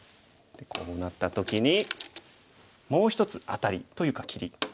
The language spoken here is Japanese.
こうなった時にもう１つアタリというか切り。